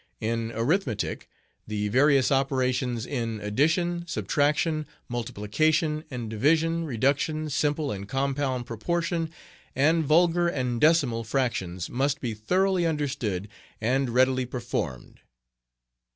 In Arithmetic, the various operations in addition, subtraction, multiplication, and division, reduction, simple and compound proportion, and vulgar and decimal fractions, must be thoroughly understood and readily performed.